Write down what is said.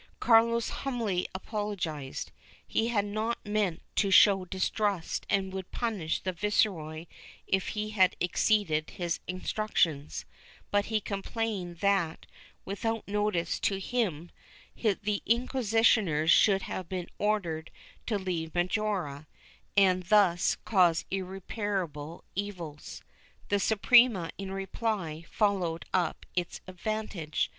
Carlos humbly apologized; he had not meant to show distrust and would punish the viceroy if he had exceeded his instructions, but he complained that, without notice to him, the inquisitors should have been ordered to leave Majorca, and thus cause irreparable evils. The Suprema, in reply, followed up its advantage.